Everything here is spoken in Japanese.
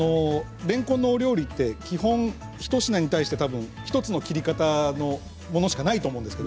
れんこんのお料理って基本、一品に対して１つの切り方のものしかないと思うんです。